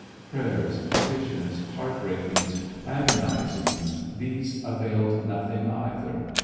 Prayers, petitions, heart breakings, agonizings, these availed nothing, either.